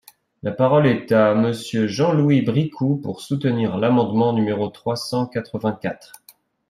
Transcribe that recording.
La parole est à Monsieur Jean-Louis Bricout, pour soutenir l’amendement numéro trois cent quatre-vingt-quatre.